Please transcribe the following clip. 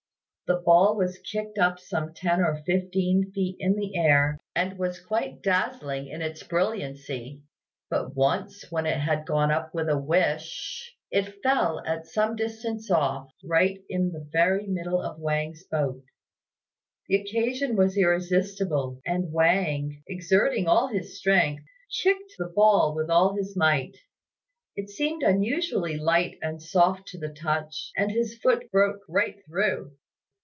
The ball was kicked up some ten or fifteen feet in the air, and was quite dazzling in its brilliancy; but once, when it had gone up with a whish h h h, it fell at some distance off, right in the very middle of Wang's boat. The occasion was irresistible, and Wang, exerting all his strength, kicked the ball with all his might. It seemed unusually light and soft to the touch, and his foot broke right through.